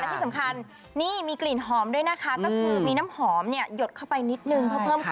ที่สำคัญนี่มีกลิ่นหอมด้วยนะคะก็คือมีน้ำหอมเนี่ยหยดเข้าไปนิดนึง